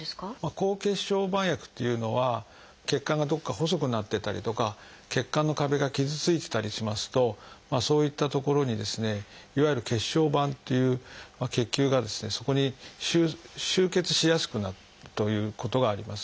抗血小板薬というのは血管がどこか細くなってたりとか血管の壁が傷ついてたりしますとそういった所にですねいわゆる血小板っていう血球がですねそこに集結しやすくなるということがあります。